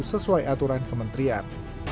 sesuai aturan kementerian